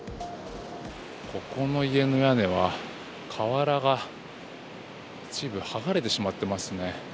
ここの家の屋根は瓦が一部剥がれてしまってますね。